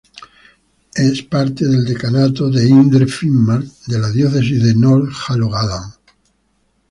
Es parte del decanato de Indre Finnmark en la Diócesis de Nord-Hålogaland.